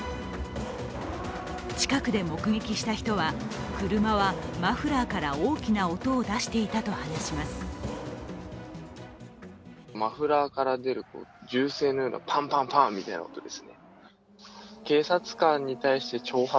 近くで目撃した人は車はマフラーから大きな音を出していたと話します。